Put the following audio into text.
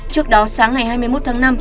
trước đó sáng ngày hai mươi một tháng năm